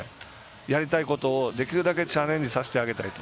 やりたいことをできるだけチャレンジさせてあげたいと。